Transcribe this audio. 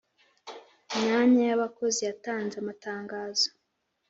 myanya abakozi yatanze amatangazo